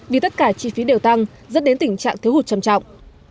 vì tất cả chi phí đều tăng dẫn đến tình trạng thiếu hụt trầm trọng